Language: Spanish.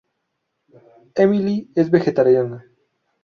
Emily es vegetariana.